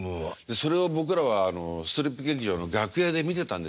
それを僕らはストリップ劇場の楽屋で見てたんですよ。